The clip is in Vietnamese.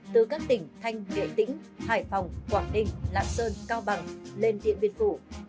từ các tỉnh thanh nghệ tĩnh hải phòng quảng đình lạp sơn cao bằng lên điện biên phủ